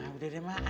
udah deh mak